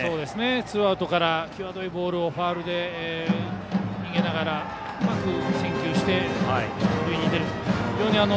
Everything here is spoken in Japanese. ツーアウトから際どいボールをファウルで逃げながらうまく選球して塁に出る。